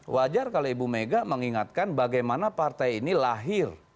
wajar kalau ibu mega mengingatkan bagaimana partai ini lahir